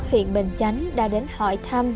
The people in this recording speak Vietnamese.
huyện bình chánh đã đến hỏi thăm